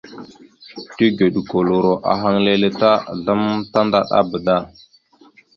Tigəɗokoloro ahaŋ leele ta azlam tandaɗaba da.